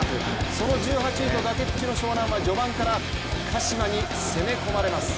その１８位と崖っぷちの湘南は序盤から鹿島に攻め込まれます。